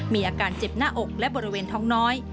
มีอาการเจ็บหน้าอกและบริเวณท้องน้อย